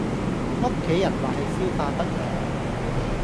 屋企人話係消化不良